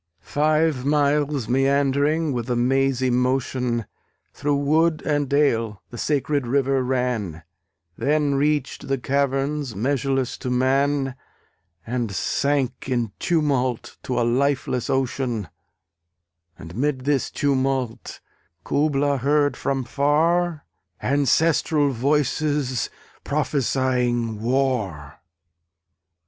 Five miles meandering with a mazy motion Through wood and dale the sacred river ran, Then reached the caverns measureless to man, And sank in tumult to a lifeless ocean: And 'mid this tumult Kubla heard from far Ancestral voices prophesying war!